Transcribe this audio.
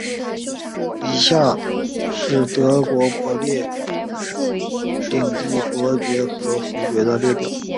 以下是德国利珀领地伯爵和侯爵的列表。